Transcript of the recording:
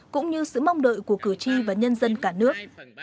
cũng như sự mong đợi của cử tri và nhân dân cả nước